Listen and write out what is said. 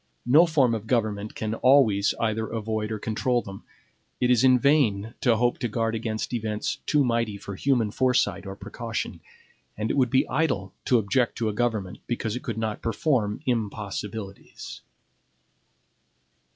No form of government can always either avoid or control them. It is in vain to hope to guard against events too mighty for human foresight or precaution, and it would be idle to object to a government because it could not perform impossibilities.